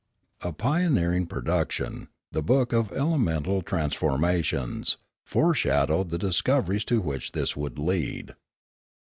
A pioneering production, the book of elemental trans formations, foreshadowed the discoveries to which this would lead.